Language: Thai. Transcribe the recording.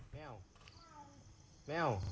แมวแมว